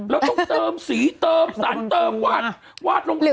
แล้วต้องเติมสีเติมสันเติมวาดลงกลับ